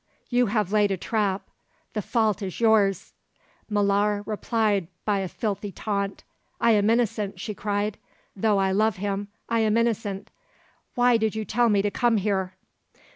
You have laid a trap; the fault is yours!" Molara replied by a filthy taunt. "I am innocent," she cried; "though I love him, I am innocent! Why did you tell me to come here?"